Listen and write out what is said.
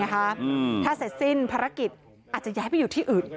ถ้าเสร็จสิ้นภารกิจอาจจะย้ายไปอยู่ที่อื่น